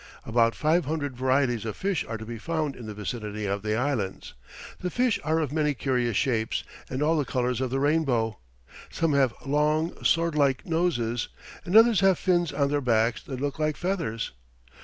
About five hundred varieties of fish are to be found in the vicinity of the Islands. The fish are of many curious shapes and all the colours of the rainbow. Some have long, swordlike noses, and others have fins on their backs that look like feathers.